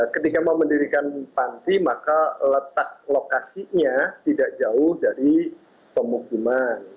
ketika mau mendirikan panti maka letak lokasinya tidak jauh dari pemukiman